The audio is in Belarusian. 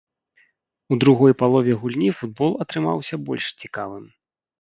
У другой палове гульні футбол атрымаўся больш цікавым.